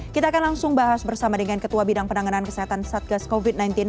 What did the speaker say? kita akan langsung bahas bersama dengan ketua bidang penanganan kesehatan satgas covid sembilan belas